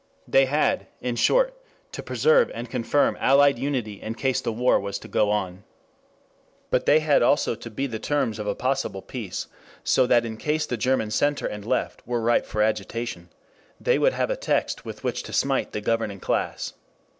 They had, in short, to preserve and confirm Allied unity in case the war was to go on. But they had also to be the terms of a possible peace, so that in case the German center and left were ripe for agitation, they would have a text with which to smite the governing class.